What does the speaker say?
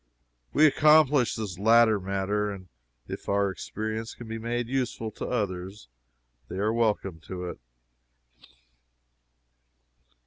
We accomplished this latter matter, and if our experience can be made useful to others they are welcome to it.